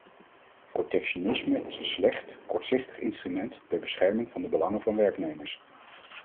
Protectionisme is een slecht, kortzichtig instrument ter bescherming van de belangen van werknemers.